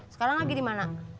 sekarang lagi dimana